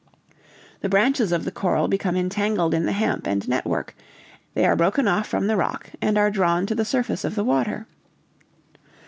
"The branches of the coral become entangled in the hemp and network; they are broken off from the rock, and are drawn to the surface of the water.